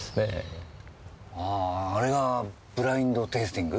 あああれがブラインド・テイスティング？